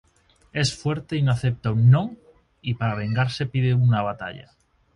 Es fuerte y no acepta un "no", y para vengarse pide una batalla.